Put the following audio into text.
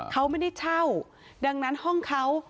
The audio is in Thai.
เขาไม่ได้เช่าดังนั้นห้องเขา